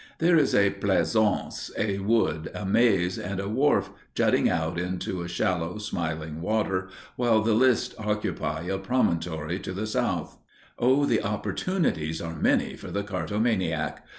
There is a pleasaunce, a wood, a maze, and a wharf jutting out into a shallow, smiling water, while the lists occupy a promontory to the south. Oh, the opportunities are many for the cartomaniac!